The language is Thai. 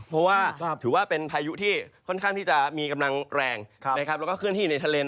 เพราะว่าถือว่าเป็นพายุที่ค่อนข้างที่จะมีกำลังแรงนะครับแล้วก็ขึ้นที่ในทะเลนาน